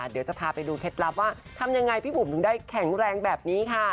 เดี๋ยวจะพาไปดูเคล็ดลับว่าทำยังไงพี่บุ๋มถึงได้แข็งแรงแบบนี้ค่ะ